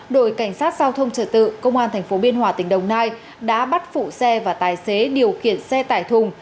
đội cảnh sát giao thông trợ tự công an thành phố biên hòa tỉnh đồng nai đã bắt phụ xe và tài xế điều kiện xe tải thùng